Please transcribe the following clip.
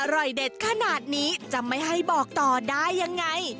อร่อยเด็ดขนาดนี้จะไม่ให้บอกต่อได้ยังไง